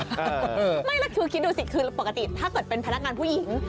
ไม่แล้วคือคิดดูสิคือปกติถ้าเกิดเป็นพนักงานผู้หญิง